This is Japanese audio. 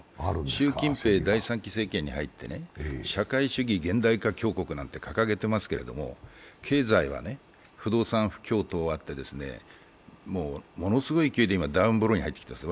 習近平、第３期政権に入って、社会主義掲げてますけれども、経済は不動産不況等あって、もうものすごい勢いでダウンブローに入ってきています。